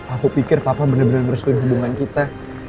aku pikir papa bener bener berseling hubungan kita